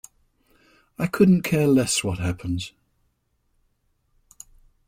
I couldn't care less what happens.